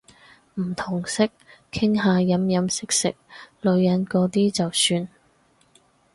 唔同色，傾下飲飲食食女人嗰啲就算